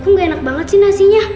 aku gak enak banget sih nasinya